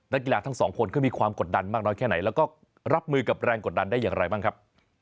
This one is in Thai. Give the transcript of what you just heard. กีฬาทั้งสองคนเขามีความกดดันมากน้อยแค่ไหนแล้วก็รับมือกับแรงกดดันได้อย่างไรบ้างครับ